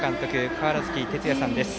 川原崎哲也さんです。